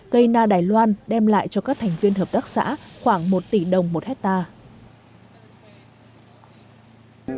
cây na đài loan đem lại cho các thành viên hợp tác xã khoảng một tỷ đồng một hectare